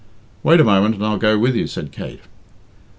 "Wait a moment and I'll go with you," said Kate.